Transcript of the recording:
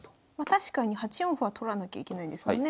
確かに８四歩は取らなきゃいけないですもんね